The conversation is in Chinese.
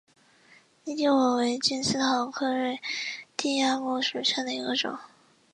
犁地果为金丝桃科瑞地亚木属下的一个种。